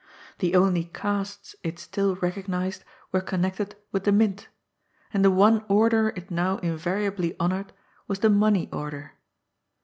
The only casts it still recognized were connected with the Mint, and the one Order it now invariably honoured was the money order.